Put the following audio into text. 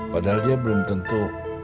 padahal dia belum tentu